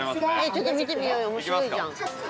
ちょっと見てみようよ面白いじゃん！行きますか。